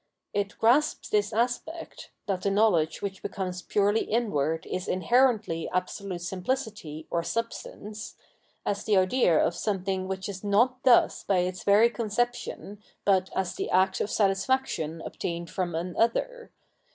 It grasps this aspect — that the knowledge which becomes purely inward is inherently absolute simphcity, or Substance — as the idea of something which is not thus by its very conception, but as the act of satis faction obtained from an other.